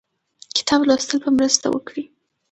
کتاب لوستل به مرسته وکړي.